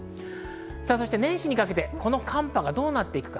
そして年始にかけてこの寒波がどうなっていくのか。